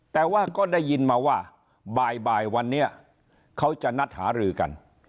แต่ว่าก็ได้ยินมาว่าบ่ายวันนี้เขาจะนัดหารือกัน